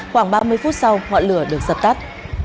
khoảng ba mươi phút sau họa lửa được giật tắt